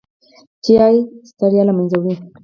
چای ستړیا له منځه وړي.